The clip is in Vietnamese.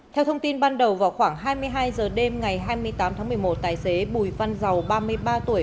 theo thông tin ban đầu vào khoảng hai mươi hai h đêm ngày hai mươi tám tháng một mươi một tài xế bùi văn dầu ba mươi ba tuổi